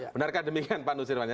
benarkah demikian pak nusirwanya